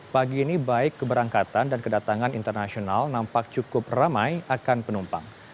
pagi ini baik keberangkatan dan kedatangan internasional nampak cukup ramai akan penumpang